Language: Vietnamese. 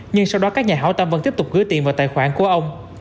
nhưng sau đó các nhà hảo tâm vẫn tiếp tục gửi tiền vào tài khoản của ông